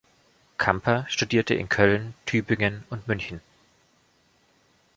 Kamper studierte in Köln, Tübingen und München.